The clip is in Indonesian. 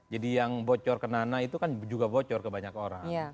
jadi yang bocor ke nana itu kan juga bocor ke banyak orang